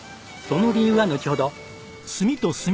その理由はのちほど。